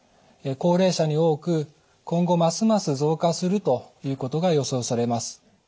高齢者に多く今後ますます増加するということが予想されます。